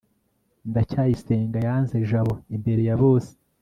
ndacyayisenga ynze jabo imbere ya bose